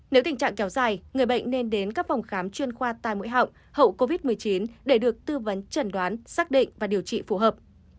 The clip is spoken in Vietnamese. nếu tình trạng kéo dài người bệnh nên đến các phòng khám chuyên khoa tai mũi họng hậu covid một mươi chín để được tư vấn trần đoán xác định và điều trị phù hợp